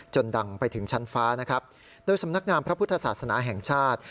ดังไปถึงชั้นฟ้านะครับโดยสำนักงามพระพุทธศาสนาแห่งชาติ